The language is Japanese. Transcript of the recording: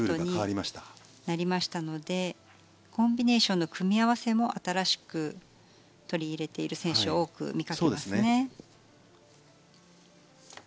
そうなりましたのでコンビネーションの組み合わせも新しく取り入れている選手を多く見かけますね。